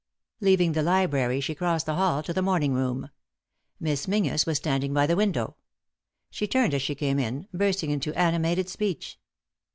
Leaving the library she crossed the hall to the morning room. Miss Menzies was standing by the window. She turned as she came in, bursting into animated speech.